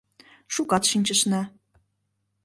Шукат шинчышна.